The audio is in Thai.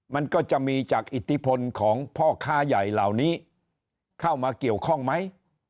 มันก็จะมีจากอิทธิพลของพ่อค้าใหญ่เหล่านี้เข้ามาเกี่ยวข้องไหม